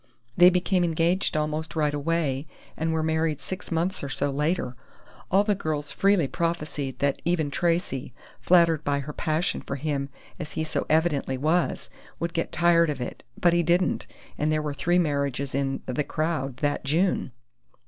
They became engaged almost right away, and were married six months or so later. All the girls freely prophesied that even Tracey, flattered by her passion for him as he so evidently was, would get tired of it, but he didn't, and there were three marriages in 'the crowd' that June."